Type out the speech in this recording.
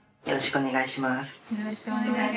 よろしくお願いします。